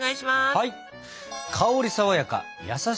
はい！